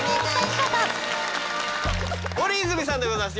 森泉さんでございます。